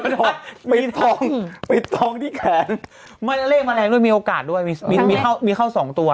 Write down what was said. ไม่ได้ท้องไม่ได้ท้องที่แขนเลขมาแล้วด้วยมีโอกาสด้วยมีเข้า๒ตัว